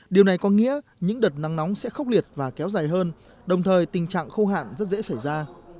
điều này có nghĩa những đợt nắng nóng sẽ khốc liệt và kéo dài hơn đồng thời tình trạng khô hạn rất dễ xảy ra